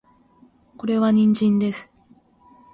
これは人参です